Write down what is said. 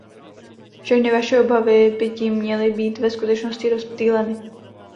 Všechny vaše obavy by tím měly být ve skutečnosti rozptýleny.